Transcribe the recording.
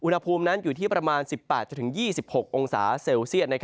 อุณหภูมินั้นอยู่ที่ประมาณ๑๘๒๖องศาเซลเซียต